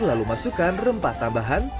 lalu masukkan rempah tambahan